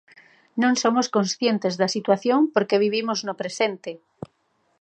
Non somos conscientes da situación porque vivimos no presente.